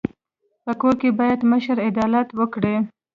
په کور کي بايد مشر عدالت وکړي.